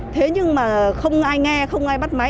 thế nhưng mà không ai nghe không ai bắt máy